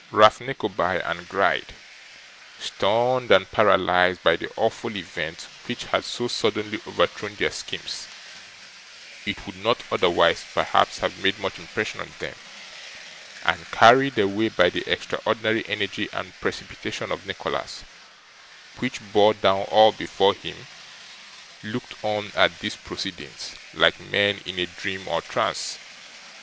Ralph Nickleby and Gride, stunned and paralysed by the awful event which had so suddenly overthrown their schemes (it would not otherwise, perhaps, have made much impression on them), and carried away by the extraordinary energy and precipitation of Nicholas, which bore down all before him, looked on at these proceedings like men in a dream or trance.